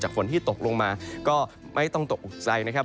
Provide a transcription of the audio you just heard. ฝนที่ตกลงมาก็ไม่ต้องตกออกใจนะครับ